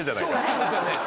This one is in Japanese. そうですよね。